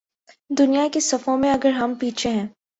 دنیا کی صفوں میں اگر ہم پیچھے ہیں۔